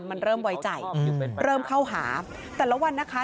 มันเริ่มไว้ใจเริ่มเข้าหาแต่ละวันนะคะ